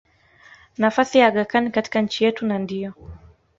nafasi ya Aga Khan katika nchi yetu na ndiyo